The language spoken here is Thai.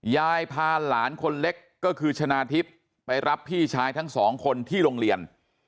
ยายพาหลานคนเล็กก็คือชนะทิพย์ไปรับพี่ชายทั้งสองคนที่โรงเรียน